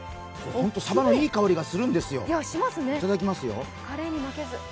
本当、さばのいい香りがするんですよ。